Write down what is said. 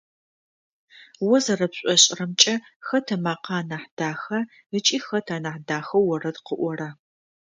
О зэрэпшӏошӏырэмкӏэ, хэт ымакъэ анахь даха ыкӏи хэт анахь дахэу орэд къыӏора?